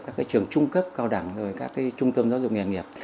các trường trung cấp cao đẳng các trung tâm giáo dục nghề nghiệp